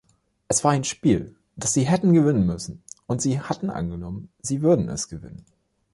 Es war ein Spiel, das sie hätten gewinnen müssen, und sie hatten angenommen, sie würden es gewinnen.